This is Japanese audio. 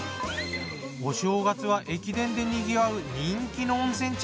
お正月は駅伝でにぎわう人気の温泉地。